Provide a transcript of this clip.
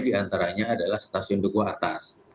diantaranya adalah stasiun duku atas